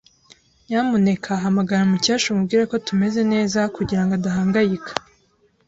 Nyamuneka hamagara Mukesha umubwire ko tumeze neza kugirango adahangayika.